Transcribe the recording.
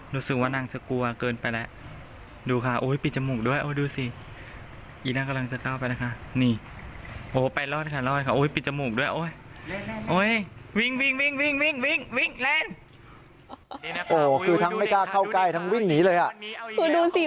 รู้สึกว่านางจะกลัวเกินไปแล้วดูค่ะโอ้ยปิดจมูกด้วยโอ้ยดูสิ